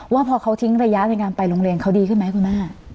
ว่าพอเขาทิ้งระยะในการไปโรงเรียนเขาดีขึ้นไหมคุณแม่